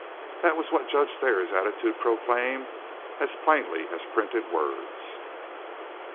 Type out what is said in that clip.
That was what Judge Thayer's attitude proclaimed, as plainly as printed words.